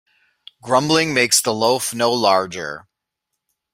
Grumbling makes the loaf no larger.